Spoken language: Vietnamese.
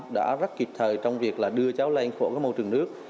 đã rất kịp thời trong việc đưa cháu lên khỏi môi trường nước